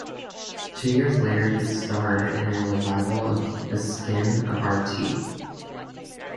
Two years later he starred in a revival of "The Skin of Our Teeth".